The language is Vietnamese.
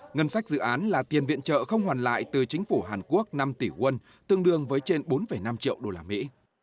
ngân sách dự án là tiền viện trợ không hoàn lại từ chính phủ hàn quốc năm tỷ quân tương đương với trên bốn năm triệu đô la mỹ